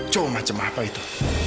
cowok macam apa itu